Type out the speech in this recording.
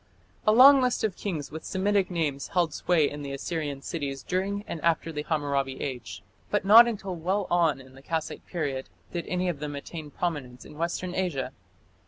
A long list of kings with Semitic names held sway in the Assyrian cities during and after the Hammurabi Age. But not until well on in the Kassite period did any of them attain prominence in Western Asia.